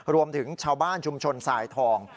รวมถึงชาวบ้านชุมชนสายทอง